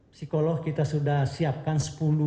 psikolog kita sudah siapkan